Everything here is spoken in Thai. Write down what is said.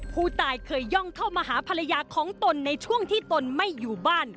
ผู้ตายเคยย่องเข้ามาหาภรรยาของตนในช่วงที่ตนไม่อยู่บ้าน